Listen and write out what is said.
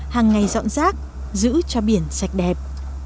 hàng ngày dọn rác giữ cho biển sạch đẹp